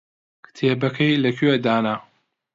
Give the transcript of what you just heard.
کتێبەکەی لەکوێ دانا؟